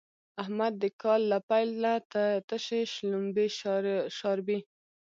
احمد د کال له پيله تشې شلومبې شاربي.